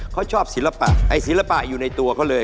เขาชอบศิลปะไอ้ศิลปะอยู่ในตัวเขาเลย